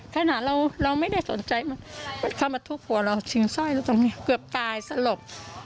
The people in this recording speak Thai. ขนาดเราไม่ได้สนใจเข้ามาทุบหัวเราชิงสร้อยเราตรงนี้เกือบตายสลบ